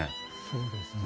そうですね。